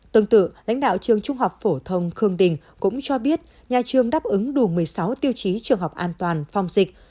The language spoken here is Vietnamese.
tương tự lãnh đạo trường trung học phổ thông khương đình cũng cho biết nhà trường đáp ứng đủ một mươi sáu tiêu chí trường học an toàn phòng dịch